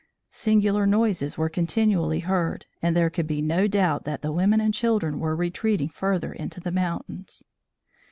Singular noises were continually heard and there could be no doubt that the women and children were retreating further into the mountains.